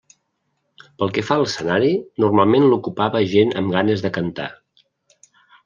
Pel que fa a l'escenari, normalment l'ocupava gent amb ganes de cantar.